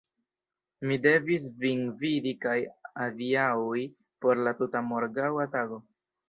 Mi devis vin vidi kaj adiaŭi por la tuta morgaŭa tago.